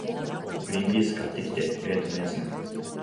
グリンピース買ってきて、冷凍のやつね。